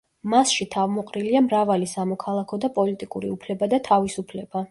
მასში თავმოყრილია მრავალი სამოქალაქო და პოლიტიკური უფლება და თავისუფლება.